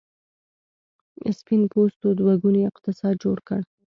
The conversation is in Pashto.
سپین پوستو دوه ګونی اقتصاد جوړ کړ.